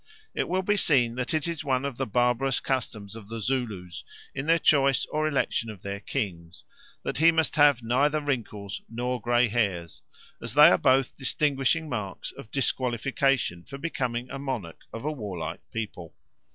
It will be seen that it is one of the barbarous customs of the Zoolas in their choice or election of their kings that he must neither have wrinkles nor grey hairs, as they are both distinguishing marks of disqualification for becoming a monarch of a warlike people.